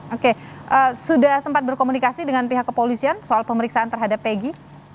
oke sudah sempat berkomunikasi dengan pihak kepolisian soal pemeriksaan terhadap egy